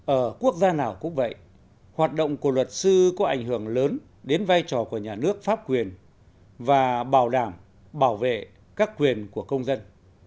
ở quốc gia nào cũng vậy hoạt động của luật sư có ảnh hưởng lớn đến vai trò của nhà nước pháp quyền và bảo đảm bảo vệ các quyền của công dân